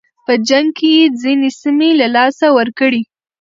په جنګ کې یې ځینې سیمې له لاسه ورکړې.